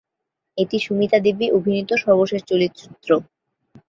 এটি সুমিতা দেবী অভিনীত সর্বশেষ চলচ্চিত্র।